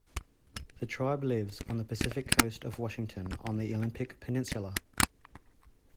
The tribe lives on the Pacific Coast of Washington on the Olympic Peninsula.